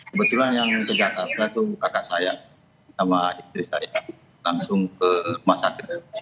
kebetulan yang kejahatan itu kakak saya sama istri saya langsung ke masak